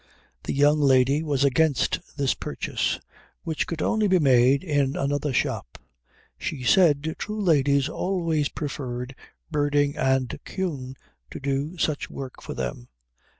The young lady was against this purchase, which could only be made in another shop; she said true ladies always preferred Berding and Kühn to do such work for them.